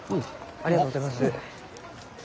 ありがとうございます。